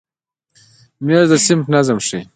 مېز د صنف نظم ښیي.